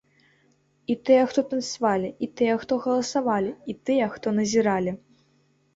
І тыя, хто танцавалі, і тыя, хто галасавалі, і тыя, хто назіралі.